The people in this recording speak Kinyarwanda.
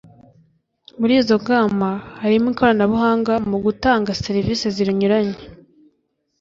Muri izo ngamba harimo ikoranabuhanga mu gutanga serivisi zinyuranye